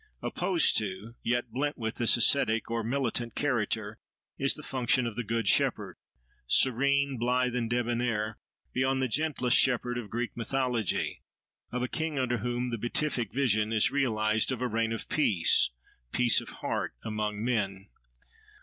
Opposed to, yet blent with, this ascetic or militant character, is the function of the Good Shepherd, serene, blithe and debonair, beyond the gentlest shepherd of Greek mythology; of a king under whom the beatific vision is realised of a reign of peace—peace of heart—among men.